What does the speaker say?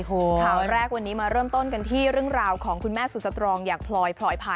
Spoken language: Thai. ข่าวแรกวันนี้มาเริ่มต้นกันที่เรื่องราวของคุณแม่สุดสตรองอย่างพลอยพลอยพา